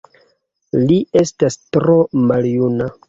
Li estas tro maljuna.